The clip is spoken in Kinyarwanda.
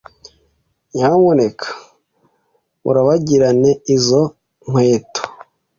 Nyamuneka urabagirane izo nkweto.